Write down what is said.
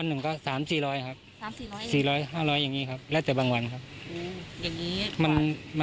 เท่าออกแบบนี้